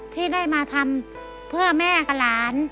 ที่ได้มาทำเพื่อแม่กับหลาน